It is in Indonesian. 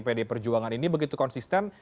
pd perjuangan ini begitu konsisten